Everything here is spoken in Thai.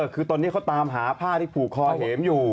คือตอนนี้เขาตามหาผ้าที่ผูกคอเห็มอยู่